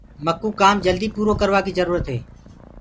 مڪوُ ڪآم جلد پورو ڪروآ ڪيٚ جرُورت هي۔